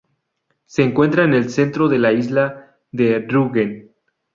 Se encuentra en el centro de la isla de Rügen.